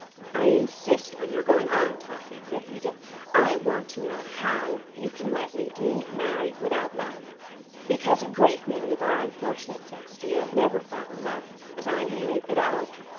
"I insist on your going on talking," said Edith. "I want to know how you can let Nadine marry without love." "Because a great many of our unfortunate sex, dear, never fall in love, as I mean it, at all.